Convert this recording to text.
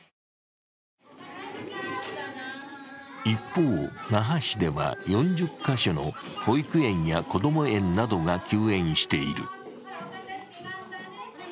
一方、那覇市では４０カ所の保育園やこども園などが休園している。